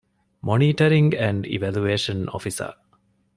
މޮނީޓަރިންގ އެންޑް އިވެލުއޭޝަން އޮފިސަރ